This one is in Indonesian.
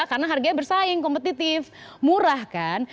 karena harganya bersaing kompetitif murah kan